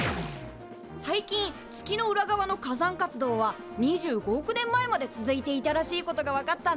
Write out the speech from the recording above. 最近月の裏側の火山活動は２５億年前まで続いていたらしいことが分かったんだ。